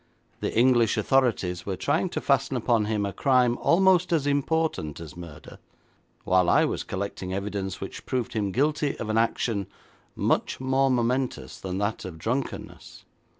The English authorities were trying to fasten upon him a crime almost as important as murder, while I was collecting evidence which proved him guilty of an action much more momentous than that of drunkenness.